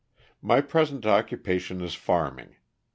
My present occupation is farming.